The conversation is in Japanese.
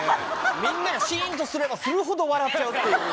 みんながしーんとすればするほど笑っちゃうという。